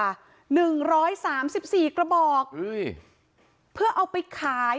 หนึ่งร้อยสามสิบสี่กระบอกอุ้ยเพื่อเอาไปขาย